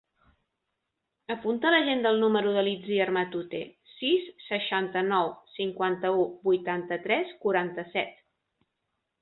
Apunta a l'agenda el número de l'Itziar Matute: sis, seixanta-nou, cinquanta-u, vuitanta-tres, quaranta-set.